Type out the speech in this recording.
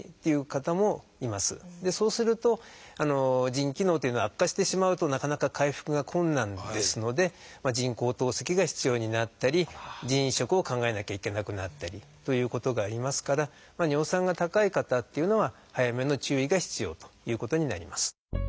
そうすると腎機能というのは悪化してしまうとなかなか回復が困難ですので人工透析が必要になったり腎移植を考えなきゃいけなくなったりということがありますから尿酸が高い方っていうのは早めの注意が必要ということになります。